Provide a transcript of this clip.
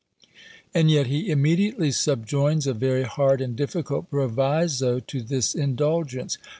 And yet he immediately subjoins a very hard and difficult proviso to this indulgence.